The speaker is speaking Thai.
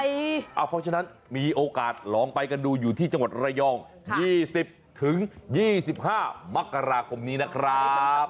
เพราะฉะนั้นมีโอกาสลองไปกันดูอยู่ที่จังหวัดระยอง๒๐๒๕มกราคมนี้นะครับ